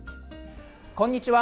こんにちは。